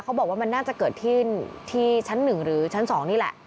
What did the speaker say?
บอกว่ามันน่าจะเกิดขึ้นที่ชั้น๑หรือชั้น๒นี่แหละ